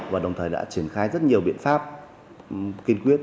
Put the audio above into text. và đồng thời đã triển khai rất nhiều biện pháp kiên quyết